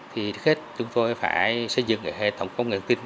thì trước hết chúng tôi phải xây dựng hệ thống công nghệ tin